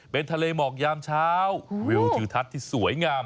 เป็นทะเลหมอกยามเช้าวิวทิวทัศน์ที่สวยงาม